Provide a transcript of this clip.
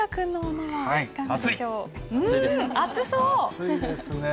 暑いですね。